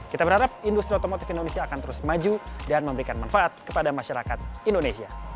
kita berharap industri otomotif indonesia akan terus maju dan memberikan manfaat kepada masyarakat indonesia